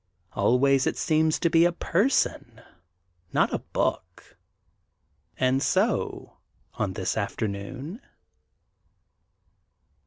Always it seems to be a person, not a book, and so, on this afternoon.